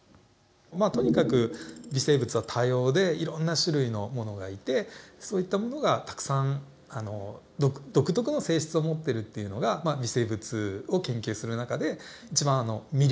まあとにかく微生物は多様でいろんな種類のものがいてそういったものがたくさん独特の性質を持ってるっていうのが微生物を研究する中で一番魅力の一つのところだと思います。